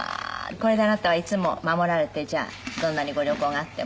これであなたはいつも守られてじゃあどんなにご旅行があっても。